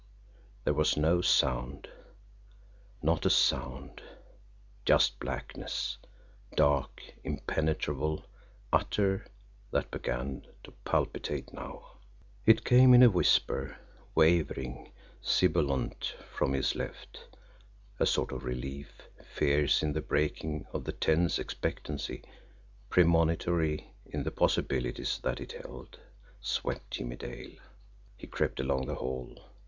There was no sound not a sound just blackness, dark, impenetrable, utter, that began to palpitate now. It came in a whisper, wavering, sibilant from his left. A sort of relief, fierce in the breaking of the tense expectancy, premonitory in the possibilities that it held, swept Jimmie Dale. He crept along the hall.